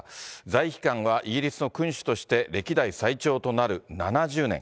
在位期間はイギリスの君主として歴代最長となる７０年。